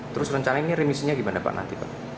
terus rencana ini remisinya gimana pak nanti pak